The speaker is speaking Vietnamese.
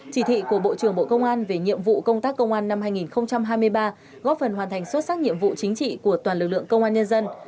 chỉ thị của bộ trưởng bộ công an về nhiệm vụ công tác công an năm hai nghìn hai mươi ba góp phần hoàn thành xuất sắc nhiệm vụ chính trị của toàn lực lượng công an nhân dân